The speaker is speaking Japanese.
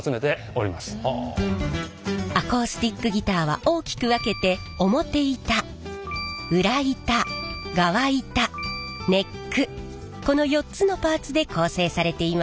アコースティックギターは大きく分けてこの４つのパーツで構成されています。